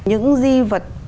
những di vật